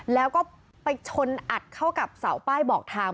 แล้วก็ไปชนอัดเข้ากับเสาป้ายบอกทาง